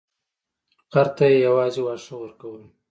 خر ته یې یوازې واښه ورکول.